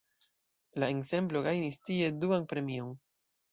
La ensemblo gajnis tie duan premion.